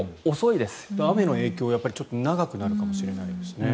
雨の影響が長くなるかもしれないですね。